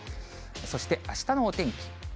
そしてあしたのお天気。